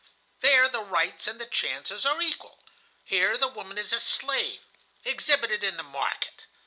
There the rights and the chances are equal; here the woman is a slave, exhibited in the market.